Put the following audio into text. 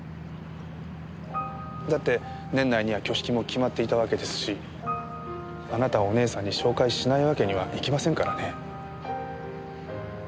だって年内には挙式も決まっていたわけですしあなたをお姉さんに紹介しないわけにはいきませんからね。